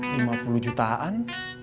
lima puluh juta an